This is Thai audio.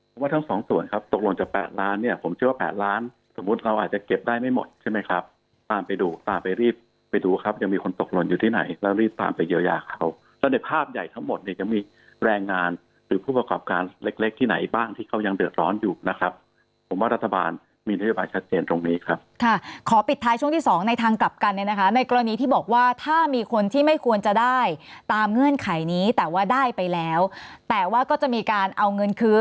ผมว่าทั้งสองส่วนครับตกหล่นจาก๘ล้านเนี่ยผมเชื่อว่า๘ล้านสมมุติเราอาจจะเก็บได้ไม่หมดใช่ไหมครับตามไปดูตามไปรีบไปดูครับยังมีคนตกหล่นอยู่ที่ไหนแล้วรีบตามไปเยียวยาเขาแล้วในภาพใหญ่ทั้งหมดเนี่ยจะมีแรงงานหรือผู้ประกอบการเล็กที่ไหนบ้างที่เขายังเดือดร้อนอยู่นะครับผมว่ารัฐบาลมีนวิบัติชัดเ